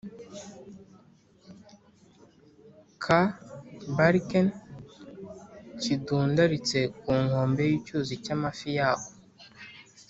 ka Bakarne kidundaritse ku nkombe y’ icyuzi cy’ amafi yako